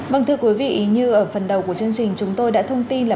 vâng thưa quý vị như ở phần đầu của chương trình chúng tôi đã thông tin là